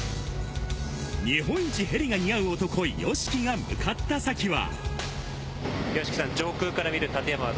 日本一ヘリが似合う男・ＹＯＳＨＩＫＩが向かった先は。